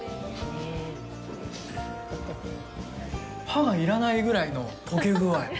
歯がいらないぐらいの溶けぐあい。